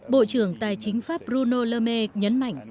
bộ trưởng tài chính pháp bruno le maire nhấn mạnh